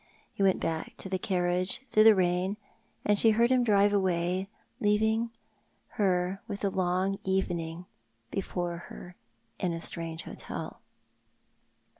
He went back to the carriage through the rain, and she heard him drive away, leaving her with the long evening before her in a strange hotel.